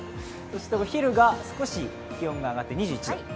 そしてお昼が少し気温が上がって２１度。